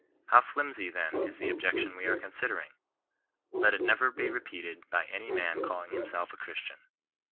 How flimsy then is the objection we are considering ! Let it never be repeated by any man calling himself a Christian.